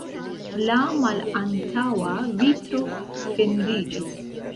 La malantaŭa vitro fendiĝis.